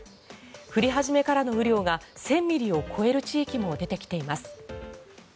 降り始めからの雨量が１０００ミリを超える地域も出てきています。